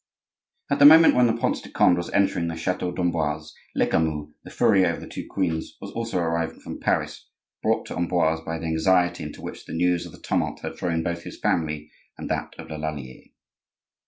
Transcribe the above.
At the moment when the Prince de Conde was entering the chateau d'Amboise, Lecamus, the furrier of the two queens, was also arriving from Paris, brought to Amboise by the anxiety into which the news of the tumult had thrown both his family and that of Lallier.